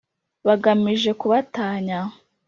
bagamije kubatanya